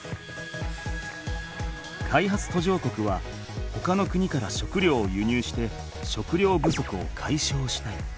開発途上国はほかの国から食料を輸入して食料不足をかいしょうしたい。